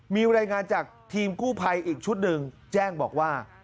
มีรายงานจากทีมกู้ภัยอีกชุดหนึ่งแจ้งบอกว่า